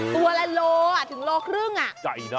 ตัวละ๑กิโลถึง๑๕กิโล